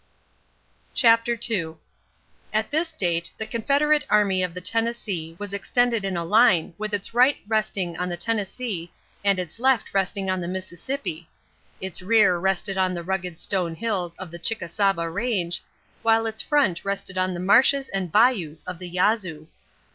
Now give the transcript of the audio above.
CHAPTER II At this date the Confederate Army of the Tennessee was extended in a line with its right resting on the Tennessee and its left resting on the Mississippi. Its rear rested on the rugged stone hills of the Chickasaba range, while its front rested on the marshes and bayous of the Yazoo.